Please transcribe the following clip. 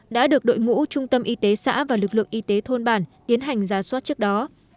đã được đội ngũ trung tâm y tế xã và lực lượng y tế thôn bản tiến hành giả soát trước đó